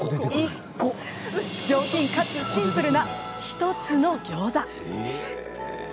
上品かつシンプルな１つのギョーザ。